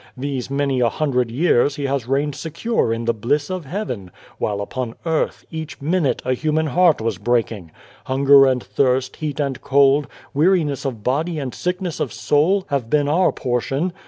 These many a hundred years has He reigned secure in the bliss of heaven, while upon earth, each minute, a human heart was breaking. Hunger and thirst, heat and cold, weariness of body and sickness of soul, have been our portion.